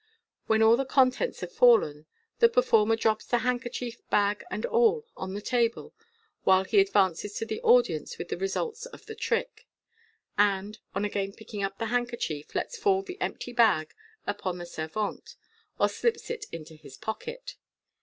When all the contents have fallen, the performer drops the handkerchief, bag and all, on the table, while he advances to the audience with the results of the trick, and, on again picking up the handkerchief, lets fall the empty bag upon the servante, or slips it into his pocket.